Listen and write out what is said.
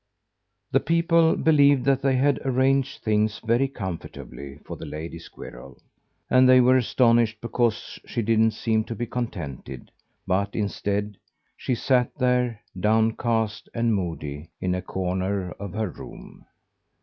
The people believed that they had arranged things very comfortably for the lady squirrel, and they were astonished because she didn't seem to be contented; but, instead, she sat there, downcast and moody, in a corner of her room.